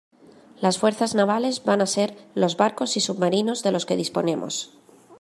Las fuerzas navales van a ser los barcos y submarinos de los que disponemos.